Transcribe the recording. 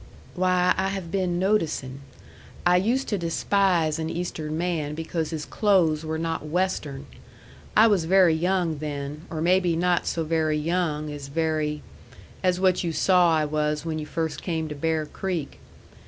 "Why, I have been noticing. I used to despise an Eastern man because his clothes were not Western. I was very young then, or maybe not so very young, as very as what you saw I was when you first came to Bear Creek.